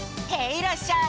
いらっしゃい！